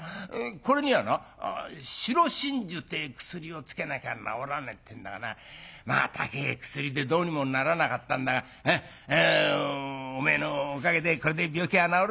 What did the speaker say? これにはな白真珠てえ薬をつけなきゃ治らねえってんだがなまあ高え薬でどうにもならなかったんだがおめえのおかげでこれで病気は治るんだ。